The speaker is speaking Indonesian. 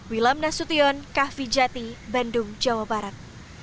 wilam nasution kah vijati bandung jawa barat